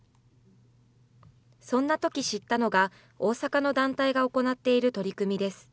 そんなとき知ったのが、大阪の団体が行っている取り組みです。